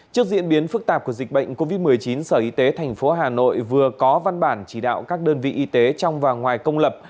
trước diễn biến phức tạp của dịch bệnh covid một mươi chín sở y tế tp hà nội vừa có văn bản chỉ đạo các đơn vị y tế trong và ngoài công lập